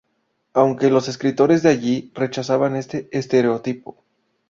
Aunque los escritores de allí rechazaban este estereotipo.